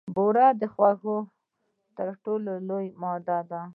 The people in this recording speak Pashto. بوره د خوږو تر ټولو عامه ماده ده.